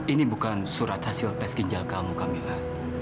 ini bukan surat hasil tes ginjal kamu camilla